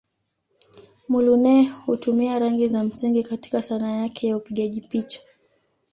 Muluneh hutumia rangi za msingi katika Sanaa yake ya upigaji picha.